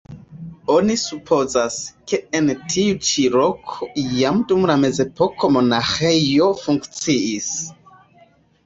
Oni supozas, ke en tiu ĉi loko jam dum la mezepoko monaĥejo funkciis.